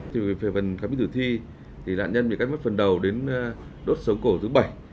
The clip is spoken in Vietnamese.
thì phần khám hữu thử thi thì đạn nhân bị cắt mất phần đầu đến đốt sống cổ thứ bảy